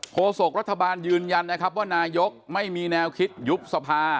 โศกรัฐบาลยืนยันนะครับว่านายกไม่มีแนวคิดยุบสภา